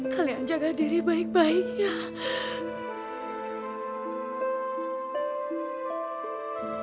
kalian jaga diri baik baik ya